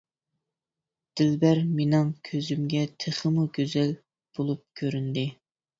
دىلبەر مېنىڭ كۆزۈمگە تېخىمۇ گۈزەل بولۇپ كۆرۈندى.